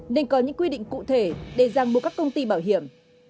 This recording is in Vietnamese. nên có những quy định cụ thể để giăng mua các công ty bảo hiểm